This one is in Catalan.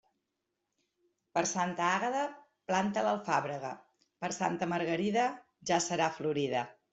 Per Santa Àgueda, planta l'alfàbrega; per Santa Margarida, ja serà florida.